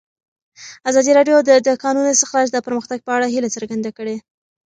ازادي راډیو د د کانونو استخراج د پرمختګ په اړه هیله څرګنده کړې.